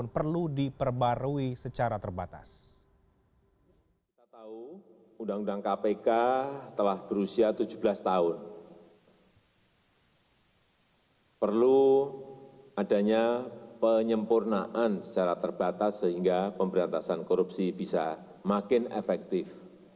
penyempurnaan secara terbatas sehingga pemberantasan korupsi bisa makin efektif